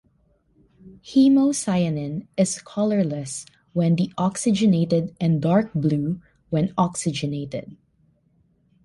Hemocyanin is colorless when deoxygenated and dark blue when oxygenated.